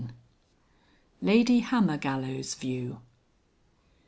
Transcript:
LADY HAMMERGALLOW'S VIEW.